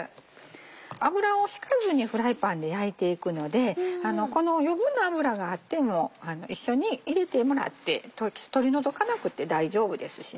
油を引かずにフライパンで焼いていくので余分な脂があっても一緒に入れてもらって取り除かなくて大丈夫ですしね。